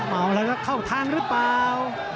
เอาแล้วเข้าทางรึเปล่า